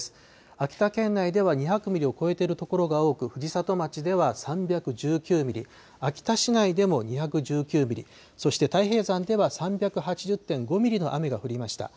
秋田県内では２００ミリを超えている所が多く、藤里町では３１９ミリ、秋田市内でも２１９ミリ、そして太平山では３８０．５ミリの雨が降りました。